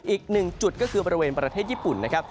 อีกหนึ่งจุดก็คือบริเวณประเทศญี่ปุ่นนะครับ